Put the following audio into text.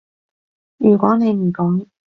如果你唔講